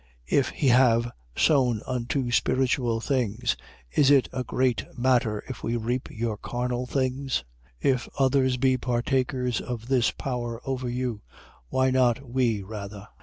9:11. If we have sown unto you spiritual things, is it a great matter if we reap your carnal things? 9:12. If others be partakers of this power over you, why not we rather?